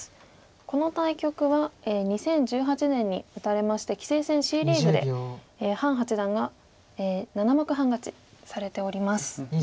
この対局は２０１８年に打たれまして棋聖戦Ｃリーグで潘八段が７目半勝ちされております。